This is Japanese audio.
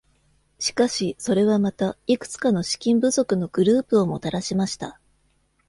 しかし、それはまた、いくつかの資金不足のグループをもたらしました。